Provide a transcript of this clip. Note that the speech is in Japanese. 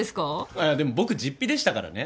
あぁでも僕実費でしたからね。